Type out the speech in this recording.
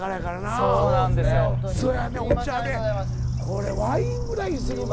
これワインぐらいする。